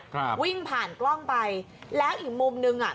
ครับวิ่งผ่านกล้องไปแล้วอีกมุมหนึ่งอ่ะ